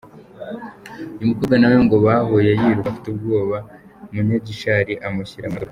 Uyu mukobwa na we ngo bahuye yiruka afite ubwoba, Munyagishari amushyira mu modoka.